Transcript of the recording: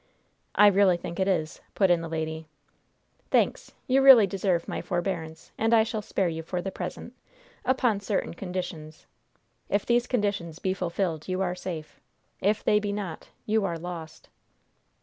"I really think it is," put in the lady. "Thanks. You really deserve my forbearance, and I shall spare you for the present, upon certain conditions. If these conditions be fulfilled, you are safe. If they be not, you are lost."